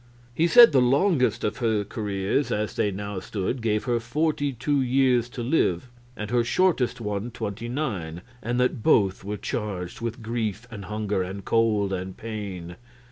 He said the longest of her careers as they now stood gave her forty two years to live, and her shortest one twenty nine, and that both were charged with grief and hunger and cold and pain.